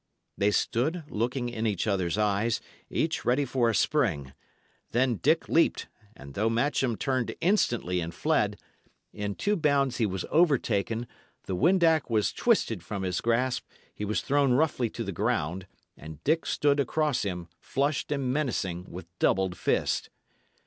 They stood, looking in each other's eyes, each ready for a spring. Then Dick leaped; and though Matcham turned instantly and fled, in two bounds he was over taken, the windac was twisted from his grasp, he was thrown roughly to the ground, and Dick stood across him, flushed and menacing, with doubled fist.